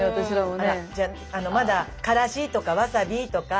じゃあまだからしとかわさびとか？